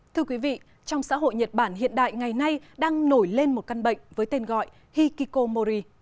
thưa quý vị trong xã hội nhật bản hiện đại ngày nay đang nổi lên một căn bệnh với tên gọi hikikomori